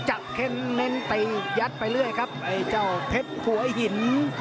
เข้นเน้นตียัดไปเรื่อยครับไอ้เจ้าเพชรหัวหิน